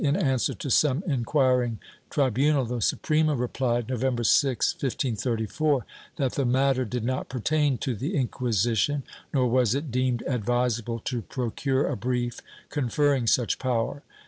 In answer to some inquiring tribunal, the Suprema replied, November 6, 1534, that the matter did not pertain to the Inquisition, nor was it deemed advisable to procure a brief conferring such power.